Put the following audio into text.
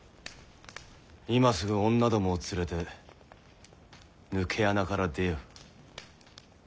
今すぐ女どもを連れて抜け穴から出よ。